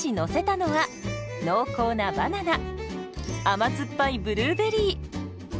甘酸っぱいブルーベリー。